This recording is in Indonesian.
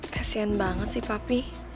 kasian banget sih papi